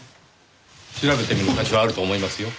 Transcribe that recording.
調べてみる価値はあると思いますよ。